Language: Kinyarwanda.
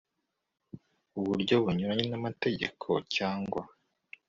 buryo bunyuranye n amategeko cyangwa